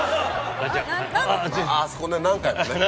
あそこね何回もね。